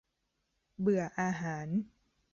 เบื่ออาหาร